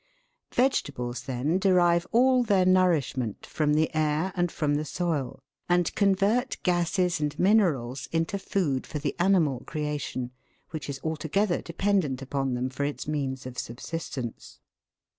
* Vegetables, then, derive all their nourishment from the air and from the soil, and convert gases and minerals into food for the animal creation, which is altogether dependent upon them for its means of subsistence.